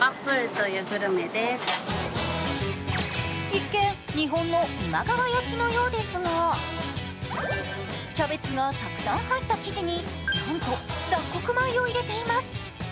一見、日本の今川焼きのようですが、キャベツがたくさん入った生地になんと雑穀米を入れています。